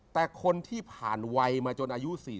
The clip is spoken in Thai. แต่คนที่ผ่านวัยมาจนอายุ๔๐